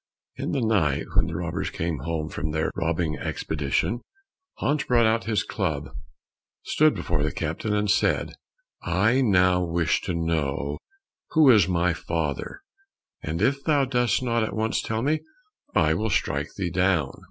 In the night, when the robbers came home from their robbing expedition, Hans brought out his club, stood before the captain, and said, "I now wish to know who is my father, and if thou dost not at once tell me I will strike thee down."